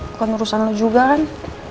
bukan urusan lo juga kan